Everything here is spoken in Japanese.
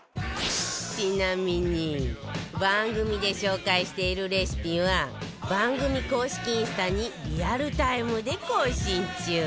ちなみに番組で紹介しているレシピは番組公式インスタにリアルタイムで更新中